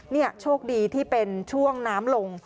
นี่โชคดีที่เป็นช่วงน้ำลง